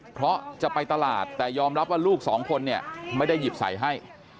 เพราะจะไปตลาดแต่ยอมรับว่าลูกสองคนเนี่ยไม่ได้หยิบใส่ให้